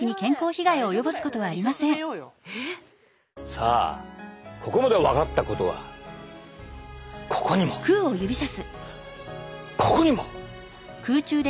さあここまで分かったことはここにもここにも！